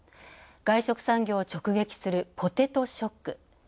外食産業を直撃するポテトショック。